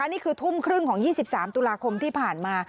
นี่คือทุ่มครึ่งของ๒๓ตุลาคมที่ผ่านมา